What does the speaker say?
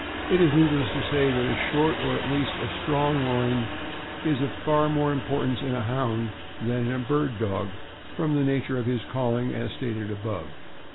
It is needless to say that a short, or at least a strong loin, is of far more importance in a Hound than in a bird dog, from the nature of his calling, as stated above.